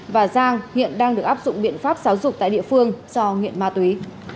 và giang hiện đang được áp dụng biện pháp giáo dục tại địa phương do nghiện ma túy